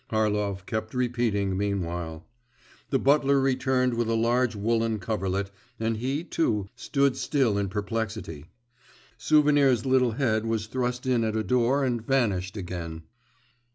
Harlov kept repeating meanwhile. The butler returned with a large woollen coverlet, and he, too, stood still in perplexity. Souvenir's little head was thrust in at a door and vanished again.